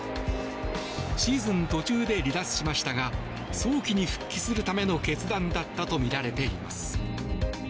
シーズン途中で離脱しましたが早期に復帰するための決断だったとみられています。